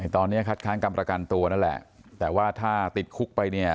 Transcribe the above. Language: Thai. ตอนนี้คัดค้างกรรมประกันตัวนั่นแหละแต่ว่าถ้าติดคุกไปเนี่ย